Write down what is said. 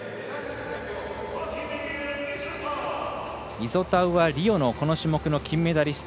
イゾタウは、リオのこの種目の金メダリスト。